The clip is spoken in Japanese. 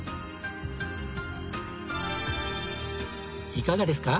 いかがですか？